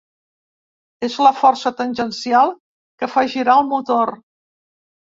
És la força tangencial que fa girar el motor.